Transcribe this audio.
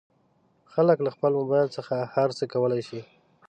خلک له خپل مبایل څخه هر څه کولی شي.